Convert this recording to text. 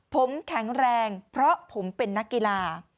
ผมแข็งแรงเพราะผมเป็นนักกีฬา